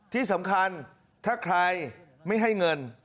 ที่สำคัญถ้าใครไม่ให้เงิน